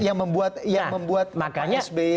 yang membuat pak sby